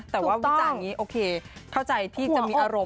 แต่ว่าวิจารณ์อย่างนี้โอเคเข้าใจที่จะมีอารมณ์